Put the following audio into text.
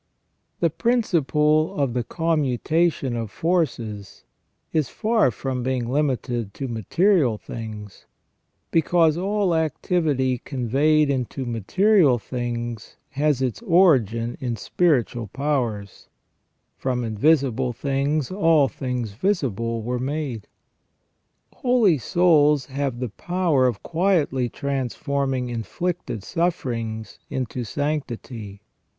The principle of the commutation of forces is far from being limited to material things ; because all activity conveyed into material things has its origin in spiritual powers, " from invisible things all things visible were made ". Holy souls have the power of quietly transforming inflicted sufferings into sanctity.